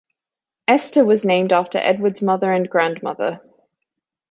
Esther was named after Edwards' mother and grandmother.